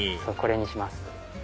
そうこれにします。